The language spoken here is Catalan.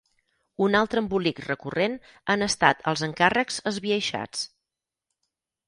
Un altre embolic recurrent han estat els encàrrecs esbiaixats.